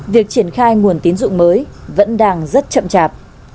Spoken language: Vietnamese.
việc triển khai nguồn tín dụng mới vẫn đang rất chậm chạp